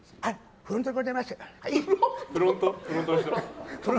フロントでございます。